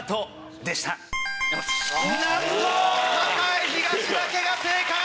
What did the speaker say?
なんと栄東だけが正解！